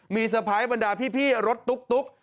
มีเตอร์ไพรส์บรรดาพี่รถตุ๊ก